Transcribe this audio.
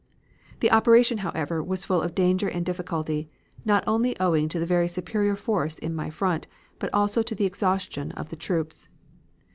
"The operation, however, was full of danger and difficulty, not only owing to the very superior force in my front, but also to the exhaustion of the troops.